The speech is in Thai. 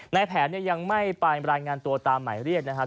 ในแผนยังไม่ปรายบรรยายงานตัวตามละเรียกนะครับ